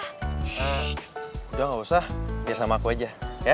udah gak usah biar sama aku aja